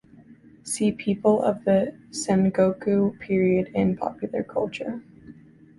See People of the Sengoku period in popular culture.